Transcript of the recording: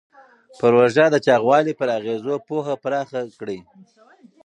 پروژه د چاغوالي پر اغېزو پوهه پراخه کړې.